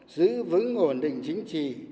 giữ vững ổn định chính trị